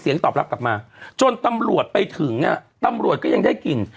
ตอบรับกลับมาจนตำรวจไปถึงตำรวจก็ยังได้กิน